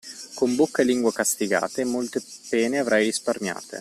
Con bocca e lingua castigate, molte pene avrai risparmiate.